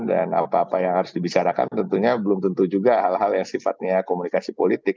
dan apa apa yang harus dibicarakan tentunya belum tentu juga hal hal yang sifatnya komunikasi politik